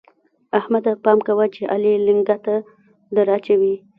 احمده! پام کوه چې علي لېنګته دراچوي.